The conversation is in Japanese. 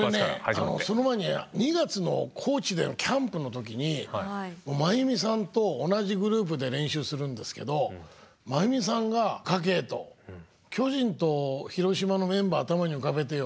これねその前に２月の高知でのキャンプの時に真弓さんと同じグループで練習するんですけど真弓さんが「カケ！」と「巨人と広島のメンバー頭に浮かべてよ」